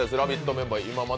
メンバー。